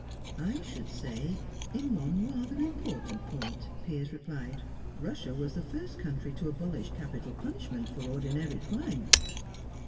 "I should say in one rather important point," Piers replied. "Russia was the first country to abolish capital punishment for ordinary crime."